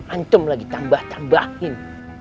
antum lagi tambah tambahin